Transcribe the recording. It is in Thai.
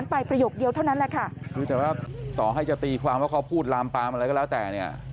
ประโยคนั้นไปประโยคเดียวเท่านั้นแหละค่ะต่อให้จะตีความว่าเขาพูดลามปลามอะไรก็แล้วแต่เนี่ย